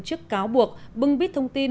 trước cáo buộc bưng bít thông tin